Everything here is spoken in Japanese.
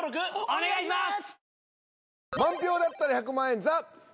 お願いします。